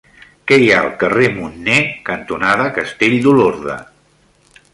Què hi ha al carrer Munner cantonada Castell d'Olorda?